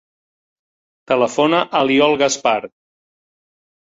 Telefona a l'Iol Gaspar.